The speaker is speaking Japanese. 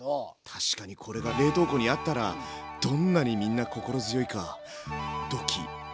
確かにこれが冷凍庫にあったらどんなにみんな心強いか。